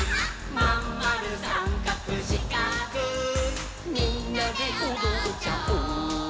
「まんまるさんかくしかくみんなでおどっちゃおう」